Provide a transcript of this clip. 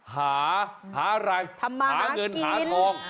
หาหารังวเหรอหาเงินหาทอง